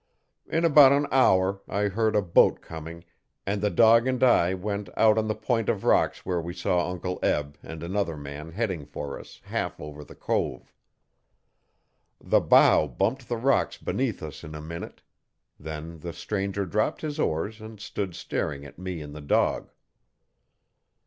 In about an hour I heard a boat coming and the dog and I went out on the point of rocks where we saw Uncle Eb and another man, heading for us, half over the cove. The bow bumped the rocks beneath us in a minute. Then the stranger dropped his oars and stood staring at me and the dog.